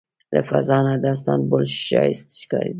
له فضا نه د استانبول ښایست ښکارېده.